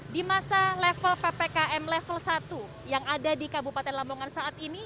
di masa level ppkm level satu yang ada di kabupaten lamongan saat ini